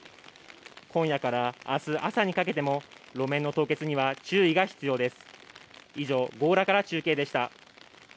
今夜から明日朝にかけても路面の凍結には注意が必要です。